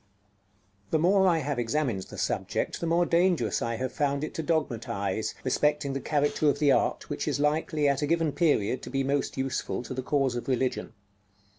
The more I have examined the subject the more dangerous I have found it to dogmatize respecting the character of the art which is likely, at a given period, to be most useful to the cause of religion.